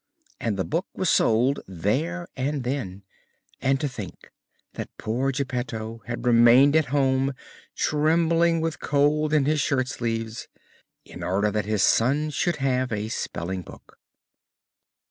And the book was sold there and then. And to think that poor Geppetto had remained at home trembling with cold in his shirt sleeves in order that his son should have a spelling book.